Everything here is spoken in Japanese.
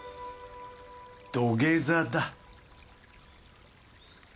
土下座だ。